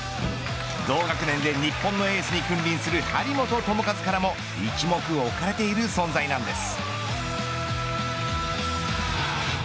同学年で日本のエースに君臨する張本智和からも一目置かれている存在なんです。